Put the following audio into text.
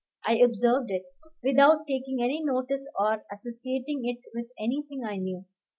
I observed it, without taking any notice or associating it with anything I knew.